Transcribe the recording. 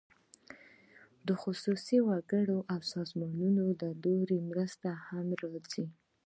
د خصوصي وګړو او سازمانونو له لوري مرستې هم راځي.